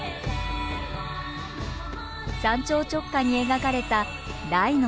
山頂直下に描かれた「大」の文字。